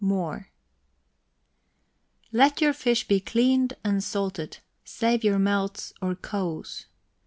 MOORE. Let your fish be cleaned and salted; save your melts or kows.